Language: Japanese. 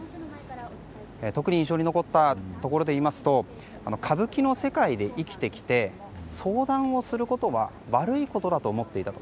特に印象に残ったところで言いますと歌舞伎の世界で生きてきて相談することは悪いことだと思っていたと。